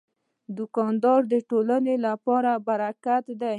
دوکاندار د ټولنې لپاره برکت دی.